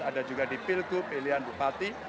ada juga di pilgub pilihan bupati